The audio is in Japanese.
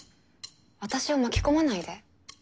私を巻き込まないで。